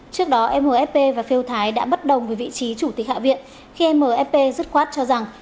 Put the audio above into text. trước đó mfp và phiêu thái đã bất đồng với vị trí chủ tịch hạ viện khi mfp dứt khoát cho rằng